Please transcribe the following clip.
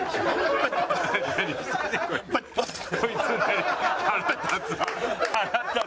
こいつ腹立つわ腹立つ。